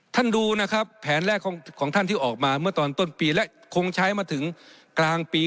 ดูนะครับแผนแรกของท่านที่ออกมาเมื่อตอนต้นปีและคงใช้มาถึงกลางปี